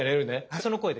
その声で。